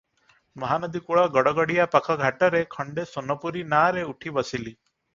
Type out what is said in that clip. ମହାନଦୀ କୂଳ ଗଡ଼ଗଡ଼ିଆ ପାଖ ଘାଟରେ ଖଣ୍ଡେ ସୋନପୁରୀ ନାଆରେ ଉଠି ବସିଲି ।